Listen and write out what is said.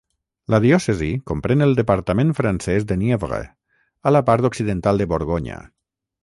La diòcesi comprèn el departament francès de Nièvre, a la part occidental de Borgonya.